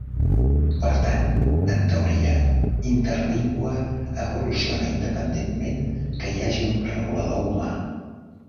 Per tant, en teoria, Interlingua evoluciona independentment que hi hagi un regulador humà.